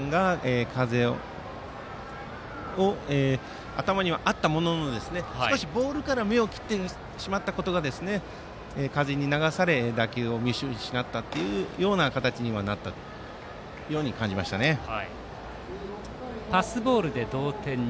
レフトの酒井君が風を頭にはあったもののボールから目を切ってしまったことが風に流された打球を見失った形になったようにパスボールで同点に。